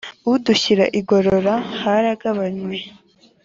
udushyira igorora haragabanywe